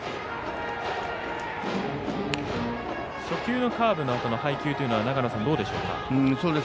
初球のカーブのあとの配球はどうでしょうか。